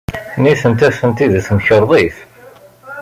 Nitenti atenti deg temkarḍit.